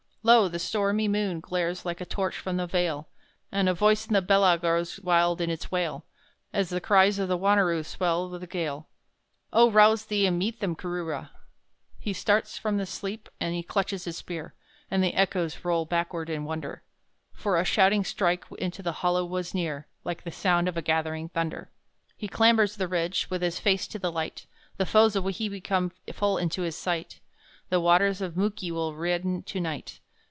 Lo! the stormy moon glares like a torch from the vale, And a voice in the belah grows wild in its wail, As the cries of the Wanneroos swell with the gale Oh! rouse thee and meet them, Kooroora! He starts from his sleep and he clutches his spear, And the echoes roll backward in wonder, For a shouting strikes into the hollow woods near, Like the sound of a gathering thunder. He clambers the ridge, with his face to the light, The foes of Wahibbi come full in his sight The waters of Mooki will redden to night.